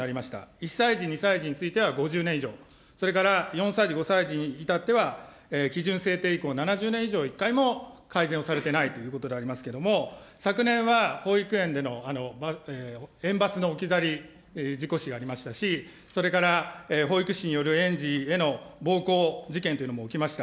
１歳児２歳児については５０年以上、４歳児、５歳児に至っては、基準制定以降７０年以上、一回も改善をされていないということでありますけれども、昨年は保育園での園バスの置き去り事故死がありましたし、それから保育士による園児への暴行事件というのも起きました。